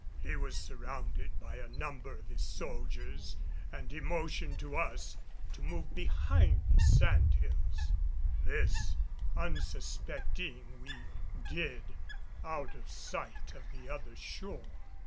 He was surrounded by a number of his soldiers and he motioned to us to move behind the sand hills; this, unsuspecting, we did, out of sight of the other shore.